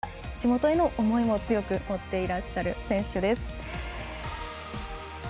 向川選手、秋田、地元への思いを強く持っていらっしゃる選手です。